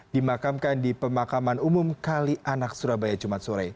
dimakamkan di pemakaman umum kali anak surabaya jumat sore